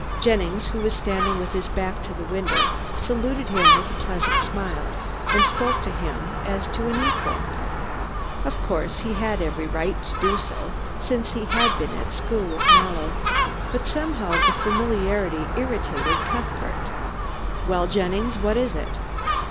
Jennings, who was standing with his back to the window, saluted him with a pleasant smile, and spoke to him as to an equal. Of course he had every right to do so since he had been at school with Mallow, but somehow the familiarity irritated Cuthbert. "Well, Jennings, what is it?"